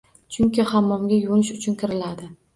Chunki hammomga yuvinish uchun kiriladi.